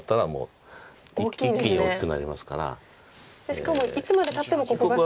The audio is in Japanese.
しかもいつまでたってもここがスソアキで。